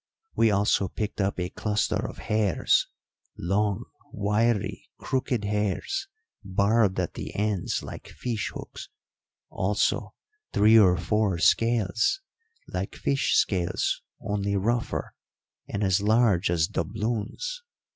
We also picked up a cluster of hairs long, wiry, crooked hairs, barbed at the ends like fish hooks; also three or four scales like fish scales, only rougher, and as large as doubloons.